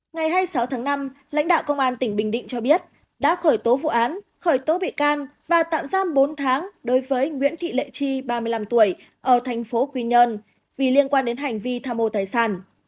ngày hai mươi sáu tháng năm lãnh đạo công an tỉnh bình định cho biết đã khởi tố vụ án khởi tố bị can và tạm giam bốn tháng đối với nguyễn thị lệ tri ba mươi năm tuổi ở thành phố quy nhơn vì liên quan đến hành vi tham mô tài sản